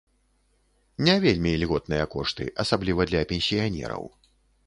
Не вельмі ільготныя кошты, асабліва для пенсіянераў.